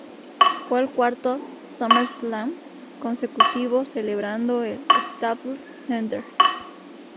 Fue el cuarto "SummerSlam" consecutivo celebrado en el Staples Center.